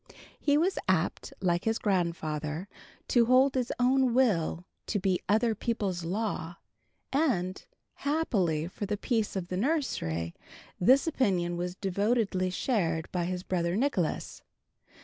He was apt like his grandfather to hold his own will to be other people's law, and (happily for the peace of the nursery) this opinion was devoutly shared by his brother Nicholas.